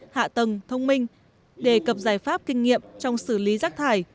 hạ tầng thông minh đề cập giải pháp kinh nghiệm trong xử lý rác thải